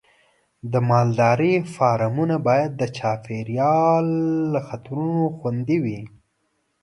د مالدارۍ فارمونه باید د چاپېریال له خطرونو خوندي وي.